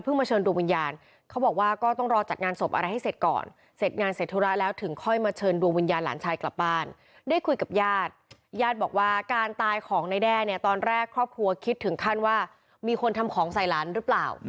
พี่คุยกับญาติญาติบอกว่าการตายของนายแด้ตอนแรกครอบครัวคิดถึงขั้นว่ามีคนทำของใส่หลานหรือเปล่า